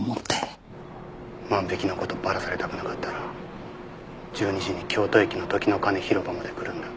万引きの事バラされたくなかったら１２時に京都駅の時の鐘広場まで来るんだ。